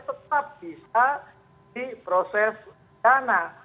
tetap bisa diproses dana